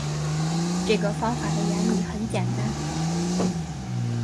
这个方法的原理很简单